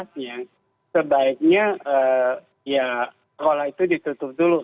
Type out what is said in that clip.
sebaiknya ya sekolah itu ditutup dulu